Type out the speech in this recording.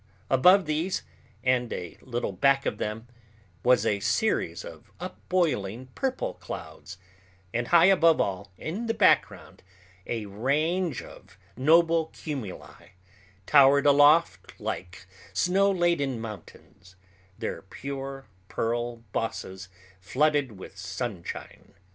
Above these and a little back of them was a series of upboiling purple clouds, and high above all, in the background, a range of noble cumuli towered aloft like snow laden mountains, their pure pearl bosses flooded with sunshine.